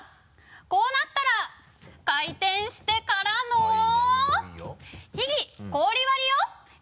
「こうなったら、回転してからのー」いいよいいよ。